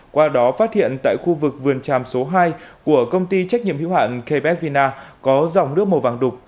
qua đó phát hiện tại khu vực vườn tràm số hai của công ty trách nhiệm hữu hạn kbet vina có dòng nước màu vàng đục